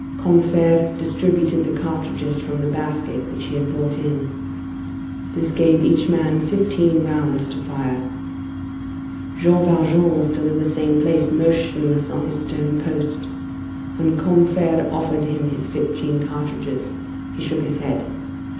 Combeferre distributed the cartridges from the basket which he had brought in. This gave each man fifteen rounds to fire. Jean Valjean was still in the same place, motionless on his stone post. When Combeferre offered him his fifteen cartridges, he shook his head.